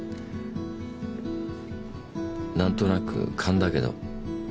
何となく勘だけど。